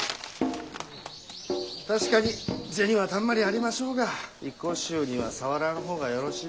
確かに銭はたんまりありましょうが一向宗には触らぬ方がよろしいかと。